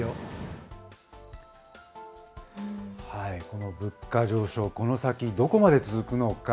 この物価上昇、この先どこまで続くのか。